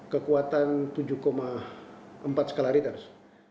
kekuatan tujuh empat skalaritas